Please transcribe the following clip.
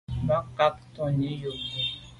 Mbat nka’ tonte yub yi.